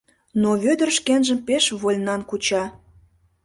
Но Вӧдыр шкенжым пеш вольнан куча.